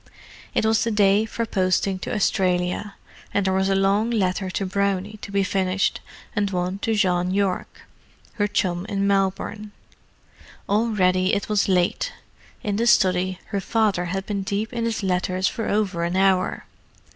It was the day for posting to Australia, and there was a long letter to Brownie to be finished, and one to Jean Yorke, her chum in Melbourne. Already it was late; in the study, her father had been deep in his letters for over an hour.